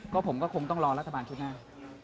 ก็ผมก็คงต้องรอรัฐบาลชุดหน้า